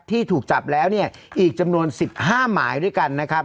ที่ถูกจับแล้วเนี่ยอีกจำนวน๑๕หมายด้วยกันนะครับ